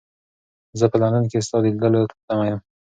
زه په لندن کې ستا د لیدلو په تمه یم.